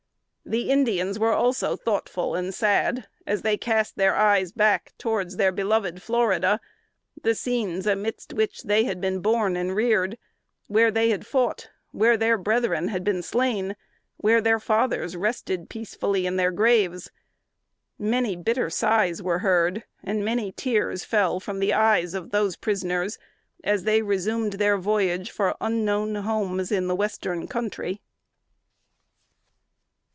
The Indians were also thoughtful and sad, as they cast their eyes back towards their beloved Florida, the scenes amidst which they had been born and reared; where they had fought; where their brethren had been slain; where their fathers rested peacefully in their graves. Many bitter sighs were heard, and many tears fell from the eyes of those prisoners as they resumed their voyage, for unknown homes in the Western Country.